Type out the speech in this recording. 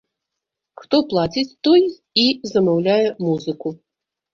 Хто плаціць, той і замаўляе музыку.